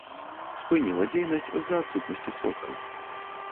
Спыніла дзейнасць з-за адсутнасці сродкаў.